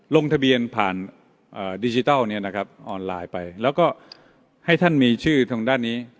ลงทะเบียนผ่านดิจิทัลออนไลน์ไปแล้วก็ให้ท่านมีชื่อทางด้านนี้